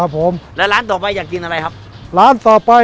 พอแล้วพ่อไม่ต้องเลย